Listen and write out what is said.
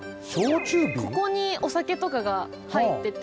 ここにおさけとかがはいってて。